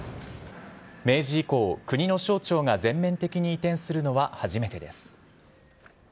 明治以降、国の省庁が全面的に移転するのは初めてです。